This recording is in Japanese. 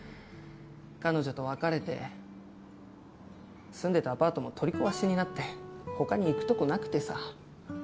彼女と別れて住んでたアパートも取り壊しになって他に行くとこなくてさ。